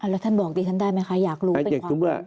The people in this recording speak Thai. แล้วท่านบอกดิฉันได้ไหมคะอยากรู้เป็นความ